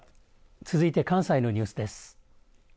続いて関西のニュースです。